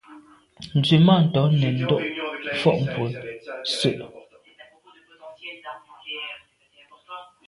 Nzwimàntô nèn ndo’ fotmbwe se.